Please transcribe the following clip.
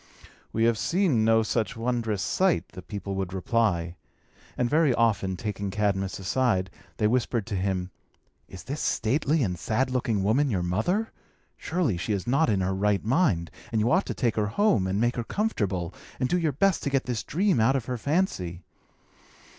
"We have seen no such wondrous sight," the people would reply; and very often, taking Cadmus aside, they whispered to him, "Is this stately and sad looking woman your mother? Surely she is not in her right mind; and you ought to take her home, and make her comfortable, and do your best to get this dream out of her fancy."